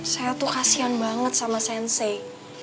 saya tuh kasian banget sama sensi